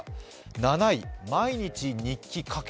７位、毎日日記書け。